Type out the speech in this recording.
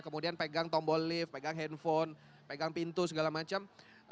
kemudian pegang tombol lift pegang handphone pegang pintu segala macam